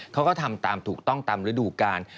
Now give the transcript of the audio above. เขาก็ทำตามถูกต้องตามฤดูกาล